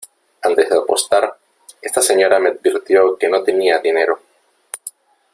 antes de apostar , esta señora me advirtió que no tenía dinero .